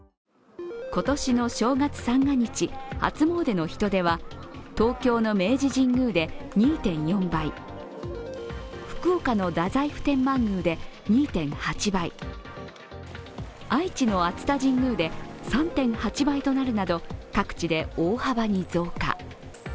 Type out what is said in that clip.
今年の正月三が日、初詣の人出は東京の明治神宮で２．４倍福岡の太宰府天満宮で２．８倍愛知の熱田神宮で３．８倍となるなど各地で大幅に増加。